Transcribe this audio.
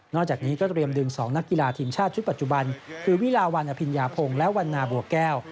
จากนี้ก็เตรียมดึง๒นักกีฬาทีมชาติชุดปัจจุบันคือวิลาวันอภิญญาพงศ์และวันนาบัวแก้ว